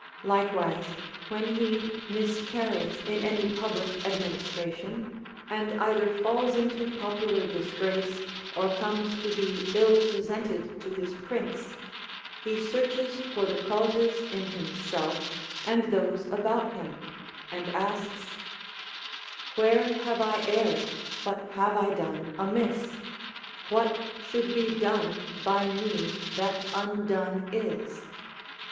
Likewise, when he miscarries in any public administration, and either falls into popular disgrace or comes to be ill presented to his prince, he searches for the causes in himself and those about him, and asks, IVhere have I erred ? What have I done amiss ? ΛVhat should be done by me that undone is